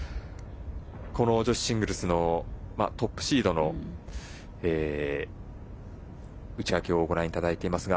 この女子シングルスのトップシードの内訳をご覧いただいていますが。